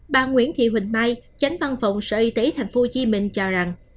bà nguyễn thị huỳnh mai chánh văn phòng sở y tế tp hcm cho rằng